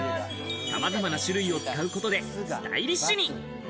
さまざまな種類を使うことでスタイリッシュに。